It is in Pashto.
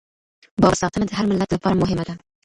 باور ساتنه د هر ملت لپاره مهمه ده.